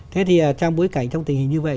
thế thì trong bối cảnh trong tình hình như vậy